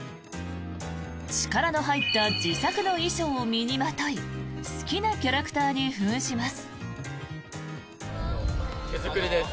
力の入った自作の衣装を身にまとい好きなキャラクターに扮します。